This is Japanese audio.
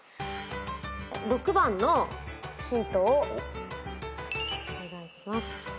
６番のヒントをお願いします。